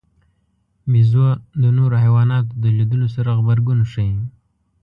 بیزو د نورو حیواناتو د لیدلو سره غبرګون ښيي.